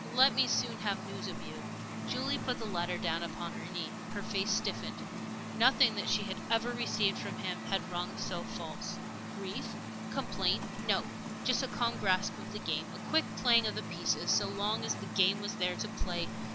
Let me soon have news of you." Julie put the letter down upon her knee. Her face stiffened. Nothing that she had ever received from him yet had rung so false. Grief? Complaint? No! Just a calm grasp of the game a quick playing of the pieces so long as the game was there to play.